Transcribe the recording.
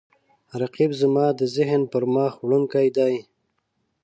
رقیب زما د ذهن پرمخ وړونکی دی